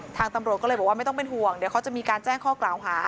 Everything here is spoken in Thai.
ทางตำรวจก็เลยบอกว่าไม่ต้องเป็นห่วงเดี๋ยวเขาจะมีการแจ้งข้อกล่าวหา